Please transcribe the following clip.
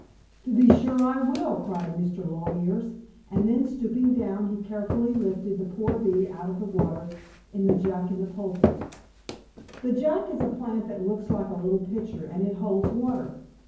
"To be sure I will!" cried Mr. Longears, and then, stooping down he carefully lifted the poor bee out of the water in the Jack in the pulpit. The Jack is a plant that looks like a little pitcher and it holds water.